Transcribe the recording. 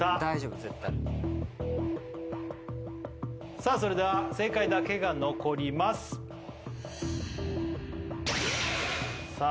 絶対さあそれでは正解だけが残りますさあ